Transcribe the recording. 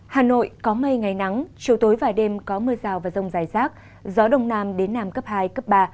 hà nội có mây ngày nắng chiều tối và đêm có mưa rào và rông dài rác gió đông nam đến nam cấp hai cấp ba